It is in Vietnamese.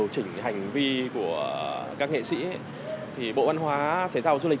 các nghệ sĩ bộ văn hóa thể thao du lịch